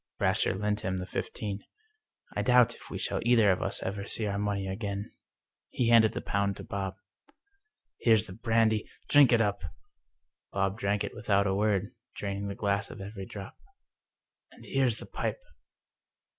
Brasher lent him the fifteen. I doubt if we shall either of us ever see our money again. He handed the pound to Bob. " Here's the brandy— drink it up 1 " Bob drank it with 236 The Pipe out a word, draining the glass of every drop, " And here's the pipe."